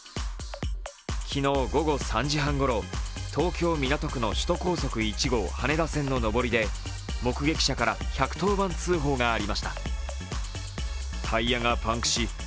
昨日午後３時半ごろ、東京・港区の首都高速１号羽田線の上りで目撃者から１１０番通報がありました